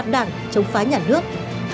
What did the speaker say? chống phá đảng chống phá nhà nước